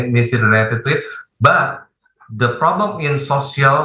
masalah di kepala pemerintah sosial